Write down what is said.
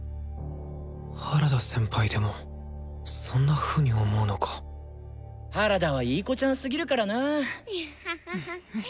原田先輩でもそんなふうに思うのか原田はいい子ちゃんすぎるからなぁ。